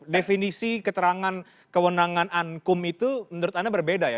definisi keterangan kewenangan ankum itu menurut anda berbeda ya